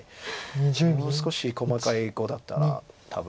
もう少し細かい碁だったら多分。